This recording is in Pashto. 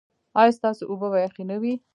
ایا ستاسو اوبه به یخې نه وي؟